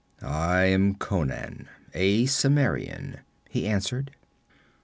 'I am Conan, a Cimmerian,' he answered.